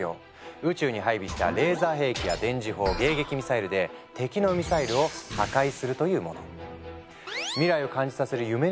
宇宙に配備したレーザー兵器や電磁砲迎撃ミサイルで敵のミサイルを破壊するというもの。